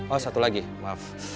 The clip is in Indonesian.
oh satu lagi maaf